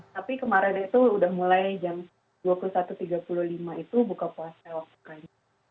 tapi kemarin itu udah mulai jam dua puluh satu tiga puluh lima itu buka puasa waktu kali